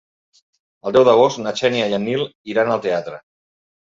El deu d'agost na Xènia i en Nil iran al teatre.